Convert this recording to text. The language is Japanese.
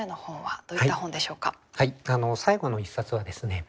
最後の一冊はですね